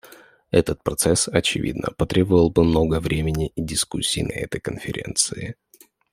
Этот процесс, очевидно, потребовал бы много времени и дискуссий на этой Конференции.